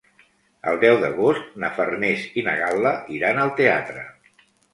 El deu d'agost na Farners i na Gal·la iran al teatre.